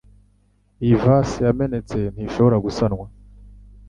Iyi vase yamenetse ntishobora gusanwa